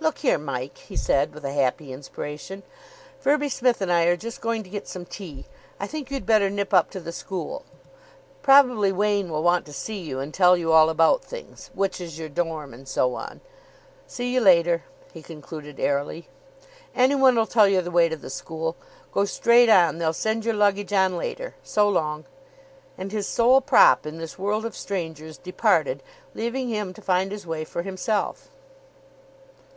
"Look here, Mike," he said, with a happy inspiration, "Firby Smith and I are just going to get some tea. I think you'd better nip up to the school. Probably Wain will want to see you, and tell you all about things, which is your dorm. and so on. See you later," he concluded airily. "Any one'll tell you the way to the school. Go straight on. They'll send your luggage on later. So long." And his sole prop in this world of strangers departed, leaving him to find his way for himself.